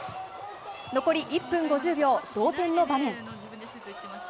残り１分５０秒、同点の場面。